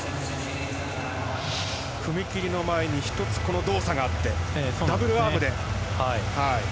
踏み切りの前に１つ動作があってダブルアームで。